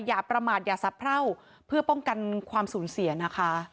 อย่าประมาทอย่าสะเพราเพื่อป้องกันความสูญเสียนะคะ